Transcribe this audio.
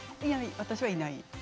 私はいない？